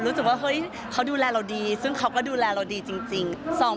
รู้สึกว่าเฮ้ยเขาดูแลเราดีซึ่งเขาก็ดูแลเราดีจริง